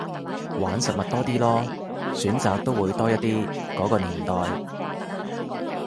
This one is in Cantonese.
玩實物多啲囉，選擇都會多一啲，嗰個年代